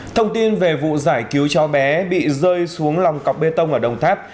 thông tin về vụ giải cứu cháu bé bị rơi xuống lòng cọc bê tông ở đồng tháp